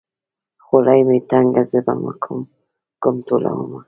ځولۍ مې تنګه زه به کوم کوم ټولومه.